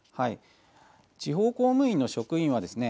地方公務員の職員はですね